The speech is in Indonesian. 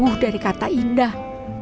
jauh dari kata indah